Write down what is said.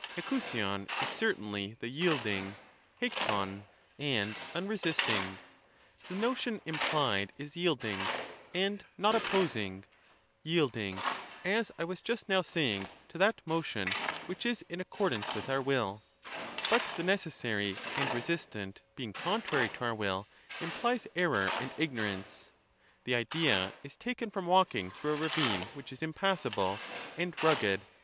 'Ekovoiov is certainly the yielding [eIkov) and unresisting — the notion imphed is yielding and not opposing, yielding, as I was just now saying, to that motion which is in accordance with our will ; but the necessary and resistant being contrary to our Avill, implies error and ignorance ; the idea is taken from walking through a ravine which is impassable, and rugged, and over ' Reading few.